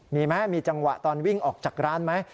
มีไหมมีจังหวะตอนวิ่งออกจากร้านไหม